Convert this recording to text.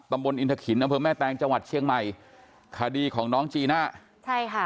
ตำบลอินทคินอแม่แตงจังหวัดเชียงใหม่คดีของน้องจีน่ะใช่ค่ะ